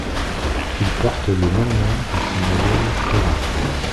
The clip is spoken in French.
Il porte le même nom que son aïeul Thorin.